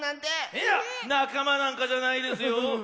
いやなかまなんかじゃないですよ。